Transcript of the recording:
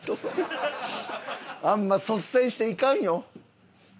あんま率先して行かんよ。